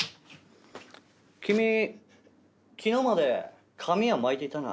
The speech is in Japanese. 君昨日まで髪は巻いていたな。